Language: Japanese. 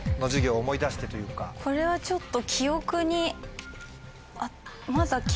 これはちょっと記憶に。